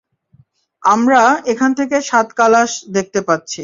আমরা এখান থেকে সাত কালাশ দেখতে পাচ্ছি।